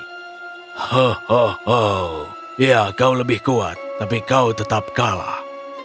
hohoho ya kau lebih kuat tapi kau tetap kalah